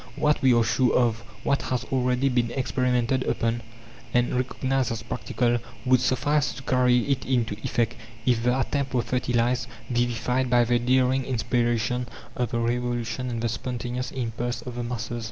What we are sure of, what has already been experimented upon, and recognized as practical, would suffice to carry it into effect, if the attempt were fertilized, vivified by the daring inspiration of the Revolution and the spontaneous impulse of the masses.